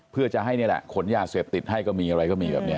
เพื่อจะให้นี่แหละขนยาเสพติดให้ก็มีอะไรก็มีแบบนี้